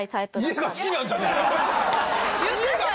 家が好きなんじゃねえか。